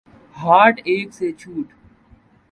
heart attack سے چھٹ